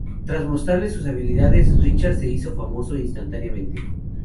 Tras mostrarle sus habilidades Richard se hizo famoso instantáneamente.